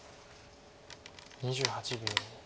２８秒。